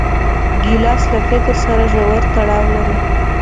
ګیلاس له فکر سره ژور تړاو لري.